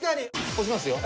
押しますよ。